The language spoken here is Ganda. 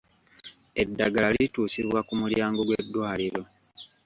Eddagala lituusibwa ku mulyango gw'eddwaliro.